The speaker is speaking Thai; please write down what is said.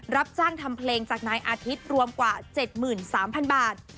รับจ้างทำเพลงจากนายอาทิตย์รวมกว่า๗๓๐๐๐บาท